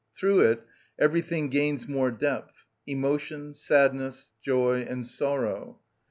Through it everything gains more depth: emotion, sadness, joy, and sorrow.